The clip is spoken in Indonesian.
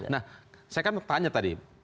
nah saya kan tanya tadi